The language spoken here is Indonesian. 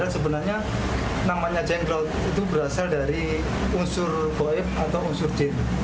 sebenarnya namanya cengkrot itu berasal dari unsur goib atau unsur jeep